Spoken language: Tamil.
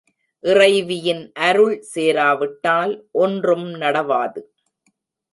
இறைவியின் அருள் சேராவிட்டால் ஒன்றும் நடவாது.